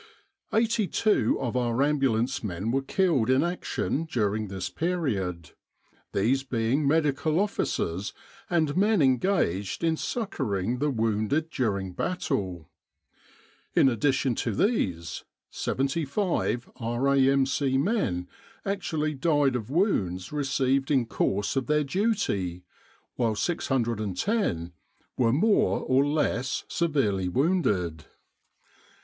Eighty two of our ambulance men were killed in action during this period, these being Medical Officers and men engaged in succouring the wounded during battle. In addition to these, seventy five R.A.M.C. men actually died of wounds received in course of their duty, while 610 were more or less severely wounded.